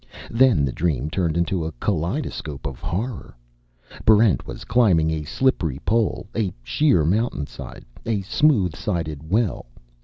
Then the dream turned into a kaleidoscope of horror. Barrent was climbing a slippery pole, a sheer mountainside, a smooth sided well.